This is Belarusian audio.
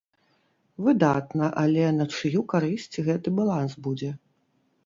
Выдатна, але на чыю карысць гэты баланс будзе?